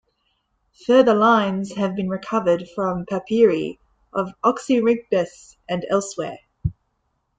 Further lines have been recovered from papyri of Oxyrhynchus and elsewhere.